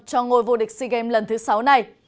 cho ngôi vô địch sea games lần thứ sáu này